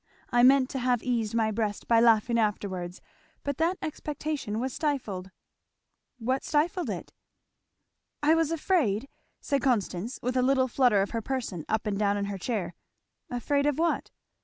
I meant to have eased my breast by laughing afterwards, but that expectation was stifled." "What stifled it?" "I was afraid! " said Constance with a little flutter of her person up and down in her chair. "Afraid of what?"